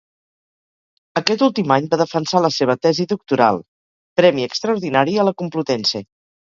Aquest últim any va defensar la seva tesi doctoral, premi extraordinari a la Complutense.